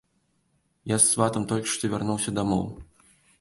Я з сватам толькі што вярнуўся дамоў.